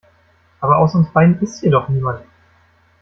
Aber außer uns beiden ist hier doch niemand.